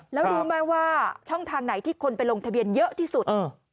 แล้วรู้ไหมว่าช่องทางไหนที่คนไปลงทะเบียนเยอะที่สุด